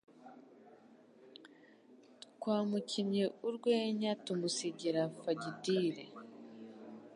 Twamukinnye urwenya tumusigira fagitire